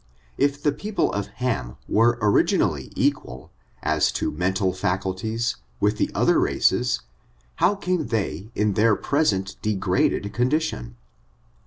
If the people of Ham were originally equal, as to mental faculties, with the other races, how came Ibey in their present degraded condition?